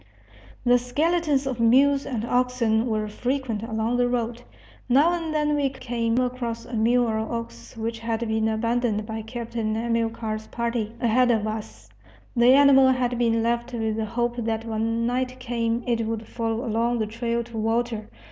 The skeletons of mules and oxen were frequent along the road. Now and then we came across a mule or ox which had been abandoned by Captain Amilcar's party, ahead of us. The animal had been left with the hope that when night came it would follow along the trail to water.